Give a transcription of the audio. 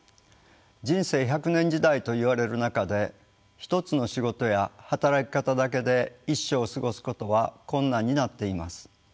人生１００年時代といわれる中で一つの仕事や働き方だけで一生を過ごすことは困難になっています。